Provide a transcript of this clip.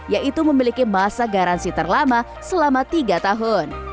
yaitu memiliki masa garansi terlama selama tiga tahun